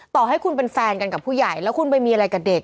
ต่อให้คุณเป็นแฟนกันกับผู้ใหญ่แล้วคุณไปมีอะไรกับเด็ก